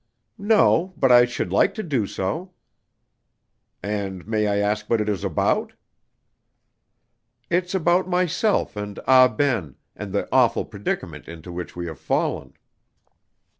"No, but I should like to do so." "And may I ask what it is about?" "It's about myself and Ah Ben, and the awful predicament into which we have fallen."